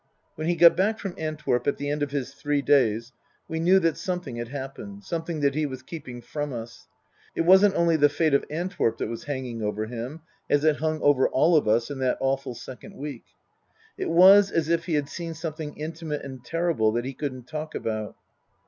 When he got back from Antwerp at the end of his three days we knew that something had happened, something that he was keeping from us. It wasn't only the fate of Antwerp that was hanging over him, as it hung over all of us in that awful second week. It was as if he had seen something intimate and terrible that he couldn't talk about.